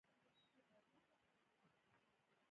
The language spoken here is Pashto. د ماليې سمه راټولونه د ښه راتلونکي لپاره مهمه ده.